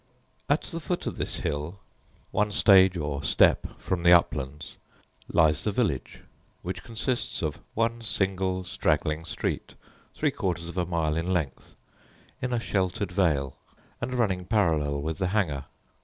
At the foot of this hill, one stage or step from the uplands, lies the village, which consists of one single straggling street, three quarters of a mile in length, in a sheltered vale, and running parallel with the Hanger.